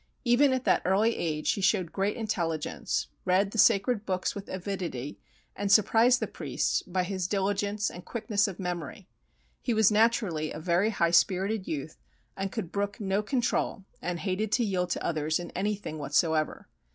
Even at that early age he showed great intelligence, read the Sacred Books with avidity, and surprised the priests by his diligence and quickness of memory. He was naturally a very high spirited youth, and could brook no control and hated to yield to others in anything whatsoever.